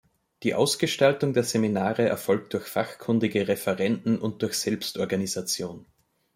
Die Ausgestaltung der Seminare erfolgt durch fachkundige Referenten und durch Selbstorganisation.